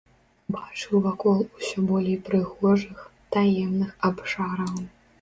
Бачыў вакол усё болей прыгожых, таемных абшараў.